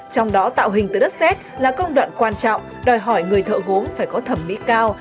trong đó tạo hình từ đất xét là công đoạn quan trọng đòi hỏi người thợ gốm phải có thẩm mỹ cao